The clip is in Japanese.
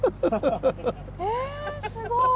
えすごい。